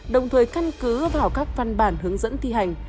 đồng thời căn cứ vào các văn bản hướng dẫn thi hành